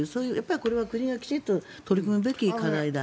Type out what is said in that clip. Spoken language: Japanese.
これは国がきちんと取り組むべき課題だと。